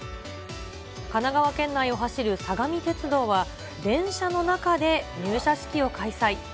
神奈川県内を走る相模鉄道は、電車の中で、入社式を開催。